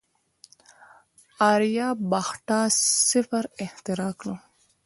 آریابهټا صفر اختراع کړ.